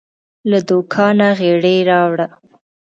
له دوکانه غیړي راوړه